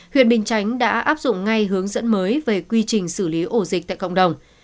huyện bình chánh đã áp dụng ngay hướng dẫn mới về quy trình xử lý ổ dịch tại cộng đồng